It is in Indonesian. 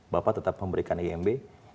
bapak tetap memberikan imb